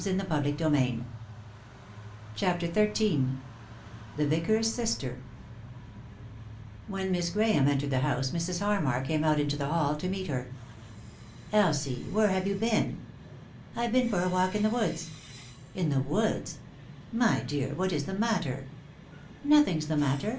e.c.V GOOglC CHAPTER XIII THE VICAR'S SISTER When Miss Giahatne entered the house Mrs. Harmar came out into the hall to meet her. " Elsie ! Where hare you been ?"" I've been for a walk in the woods." " In the woods ? My dear, what is the matter 7 " "Nothing's the matter.